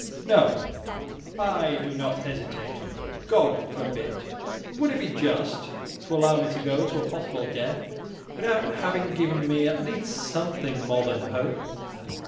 "No, I do not hesitate; God forbid! But would it be just to allow me to go to a possible death without having given me at least something more than hope?"